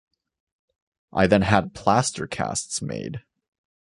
I then had plaster casts made.